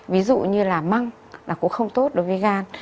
ví dụ như là măng là cũng không tốt đối với gan